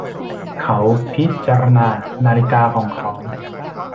เขาพิจารณานาฬิกาของเขา